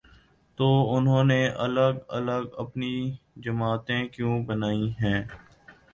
تو انہوں نے الگ الگ اپنی جماعتیں کیوں بنائی ہیں؟